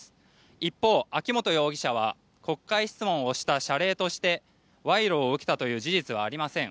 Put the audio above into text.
一方、秋本容疑者は国会質問をした謝礼として賄賂を受けたという事実はありません